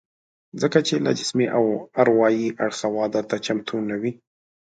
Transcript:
ځکه چې له جسمي او اروايي اړخه واده ته چمتو نه وي